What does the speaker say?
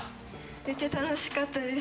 めちゃ楽しかったです。